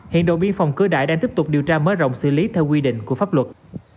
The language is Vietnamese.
hiện đồn biên phòng cửa đại đang tiếp tục điều tra mở rộng xử lý theo quy định của pháp luật